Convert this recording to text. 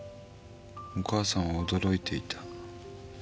「お母さんはおどろいていた」